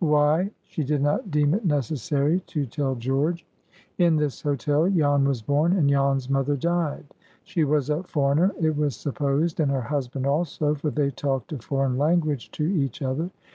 Why—she did not deem it necessary to tell George. In this hotel Jan was born, and Jan's mother died. She was a foreigner, it was supposed, and her husband also, for they talked a foreign language to each other.